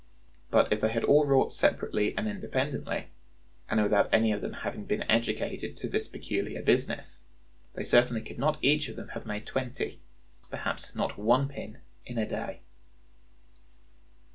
But if they had all wrought separately and independently, and without any of them having been educated to this peculiar business, they certainly could not each of them have made twenty, perhaps not one pin in a day."